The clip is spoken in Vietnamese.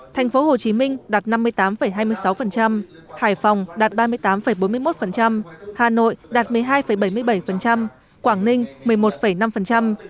thành phố hồ chí minh đạt năm mươi tám hai mươi sáu hải phòng đạt ba mươi tám bốn mươi một hà nội đạt một mươi hai bảy mươi bảy quảng ninh một mươi một năm